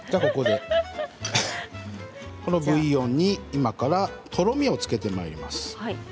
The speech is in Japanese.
このブイヨンに、今からとろみをつけていきます。